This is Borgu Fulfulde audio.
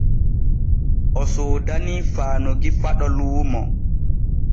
O soodanii Faanugui Faɗo luumo.